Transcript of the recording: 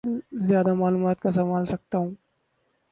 زیادہ معلومات کا سنبھال سکتا ہوں